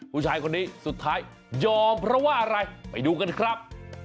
ผู้ชายคนนี้สุดท้ายยอมเพราะว่าอะไรไปดูกันครับ